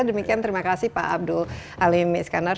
demikian terima kasih pak abdul halim iskandar